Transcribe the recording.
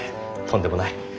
とんでもない。